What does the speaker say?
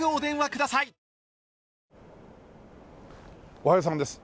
おはようさんです。